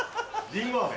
りんご飴。